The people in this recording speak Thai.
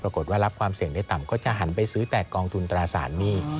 ปรากฏว่ารับความเสี่ยงได้ต่ำก็จะหันไปซื้อแต่กองทุนตราสารหนี้